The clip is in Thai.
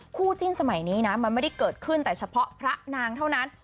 คู่จิ้นสมัยนี้นะมันไม่ได้เกิดขึ้นแต่เฉพาะพระนางเท่านั้น